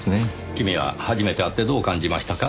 君は初めて会ってどう感じましたか？